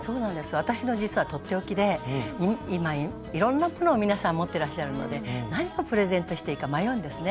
私の実はとっておきで今いろんなものを皆さん持ってらっしゃるので何をプレゼントしていいか迷うんですね。